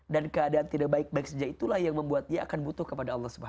dan keadaan tidak baik baik saja itulah yang membuatnya akan butuh kepada allah swt